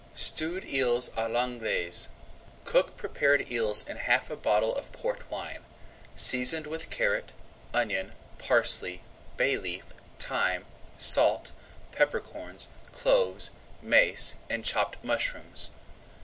STEWED EELS À L'ANGLAISE Cook prepared eels in half a bottle of Port wine, seasoned with carrot, onion, parsley, bay leaf, thyme, salt, pepper corns, cloves, mace, and chopped mushrooms.